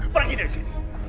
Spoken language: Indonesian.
pergi dari sini